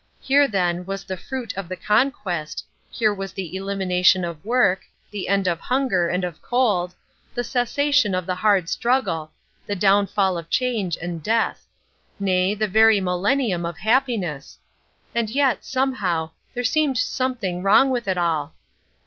Here, then, was the fruit of the Conquest, here was the elimination of work, the end of hunger and of cold, the cessation of the hard struggle, the downfall of change and death—nay, the very millennium of happiness. And yet, somehow, there seemed something wrong with it all.